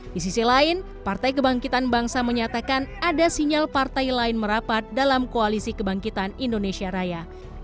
di sisi lain partai kebangkitan bangsa menyatakan ada sinyal partai lain merapat dalam koalisi kebangkitan indonesia raya